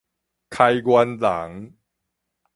開源人